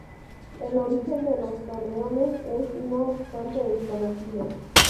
El origen de los torreones es, no obstante, desconocido.